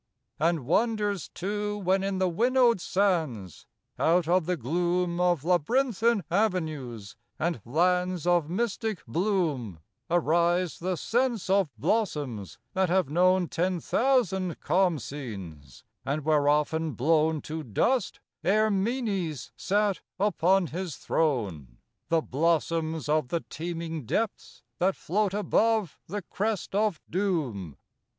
And wonders too when in the winnowed sands. Out of the gloom Of labyrinthine avenues and lands Of mystic bloom, Arise the scents of blossoms that have known Ten thousand Khamsins, and were often blown To dust ere Menes sat upon his throne— The blossoms of the teeming depths that float above the crest of doom.